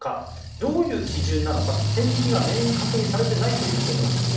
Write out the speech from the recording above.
どういう基準なのかと線引きが明確にされていないということなんですね。